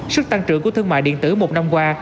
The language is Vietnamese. sức tăng trưởng của thương mại điện tử một năm qua